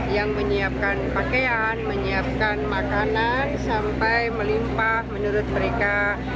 yang menyiapkan pakaian menyiapkan makanan sampai melimpah menurut mereka